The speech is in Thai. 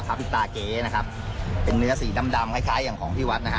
พระพิตาเกนะครับเป็นเนื้อสีดำคล้ายอย่างของที่วัดนะฮะ